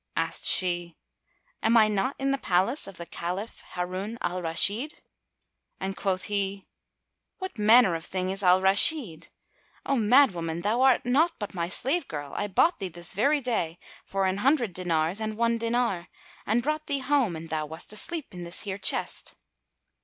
Asked she, "Am I not in the Palace of the Caliph Harun al Rashid?" And quoth he, "What manner of thing is Al Rashid? [FN#247] O madwoman, Thou art naught but my slave girl: I bought thee this very day for an hundred dinars and one dinar, and brought thee home, and thou wast asleep in this here chest."